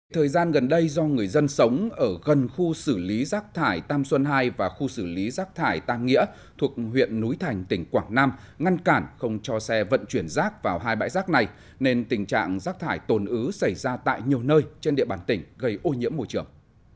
thời gian gần đây do người dân sống ở gần khu xử lý rác thải tam xuân hai và khu xử lý rác thải tam nghĩa thuộc huyện núi thành tỉnh quảng nam ngăn cản không cho xe vận chuyển rác vào hai bãi rác này nên tình trạng rác thải tồn ứ xảy ra tại nhiều nơi trên địa bàn tỉnh gây ô nhiễm môi trường